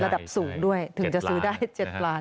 ระดับสูงด้วยถึงจะซื้อได้๗ล้าน